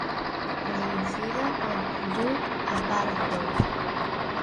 Producida por Judd Apatow.